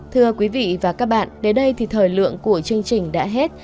thưa quý vị và các bạn đến đây thì thời lượng của chương trình đã hết